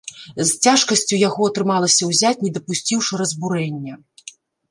З цяжкасцю яго атрымалася ўзяць, не дапусціўшы разбурэння.